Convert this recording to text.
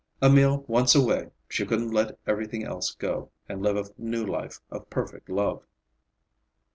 Emil once away, she could let everything else go and live a new life of perfect love.